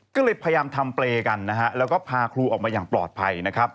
ก็เลยพยายามทำเปรย์กันนะฮะแล้วก็พาครูออกมาอย่างปลอดภัยนะครับ